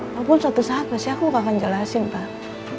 walaupun suatu saat pasti aku gak akan jelasin pak